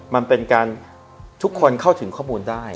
มันเป็นการทุกคนเข้าถึงข้อมูลได้